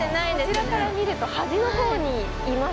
こちらから見ると端のほうにいます。